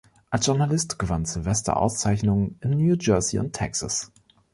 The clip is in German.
Als Journalist gewann Sylvester Auszeichnungen in New Jersey und Texas.